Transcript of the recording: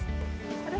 あれ？